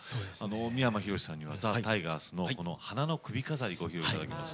三山ひろしさんにはザ・タイガースの「花の首飾り」ご披露いただきます。